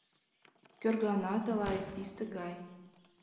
Кӧрганат-лай писте гай